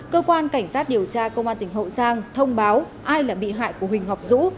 cơ quan cảnh sát điều tra công an tỉnh hậu giang thông báo ai là bị hại của huỳnh ngọc dũ